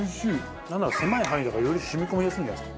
なんなら狭い範囲だからより染み込みやすいんじゃないですか？